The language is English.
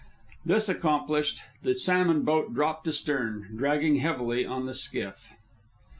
This accomplished, the salmon boat dropped astern, dragging heavily on the skiff.